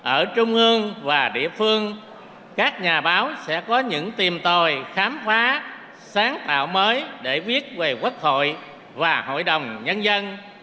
ở trung ương và địa phương các nhà báo sẽ có những tìm tòi khám phá sáng tạo mới để viết về quốc hội và hội đồng nhân dân